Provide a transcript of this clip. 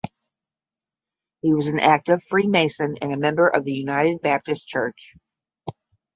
He was an active Freemason and member of the United Baptist church.